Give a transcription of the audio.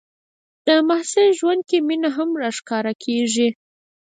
د محصل ژوند کې مینه هم راښکاره کېږي.